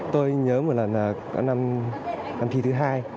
tôi nhớ một lần là năm thi thứ hai